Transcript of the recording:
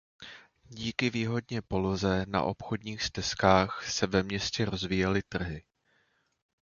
Díky výhodně poloze na obchodních stezkách se ve městě rozvíjely trhy.